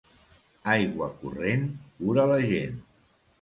Aigua corrent cura la gent.